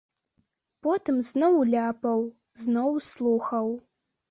Потым зноў ляпаў, зноў слухаў.